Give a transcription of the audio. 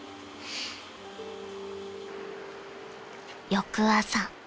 ［翌朝］